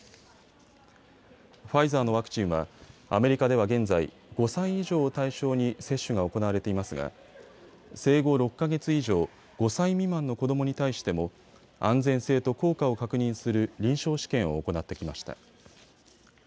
ファイザーのワクチンはアメリカでは現在、５歳以上を対象に接種が行われていますが生後６か月以上、５歳未満の子どもに対しても安全性と効果を確認する臨床試験を行ってきました。